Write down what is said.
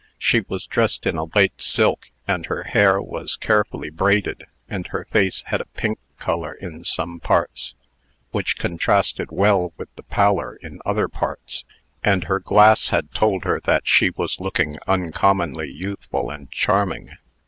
She was dressed in a light silk, and her hair was carefully braided, and her face had a pink color in some parts, which contrasted well with the pallor in other parts; and her glass had told her that she was looking uncommonly youthful and charming.